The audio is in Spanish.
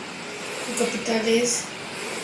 Su capital es la ciudad de Trebišov.